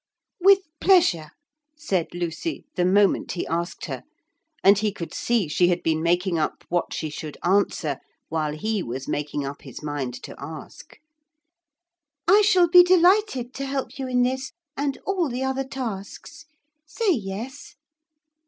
'With pleasure,' said Lucy, the moment he asked her, and he could see she had been making up what she should answer, while he was making up his mind to ask. 'I shall be delighted to help you in this and all the other tasks. Say yes.'